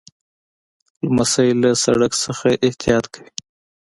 لمسی له سړک نه احتیاط کوي.